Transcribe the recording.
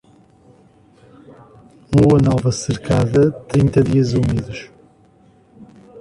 Lua nova cercada, trinta dias úmidos.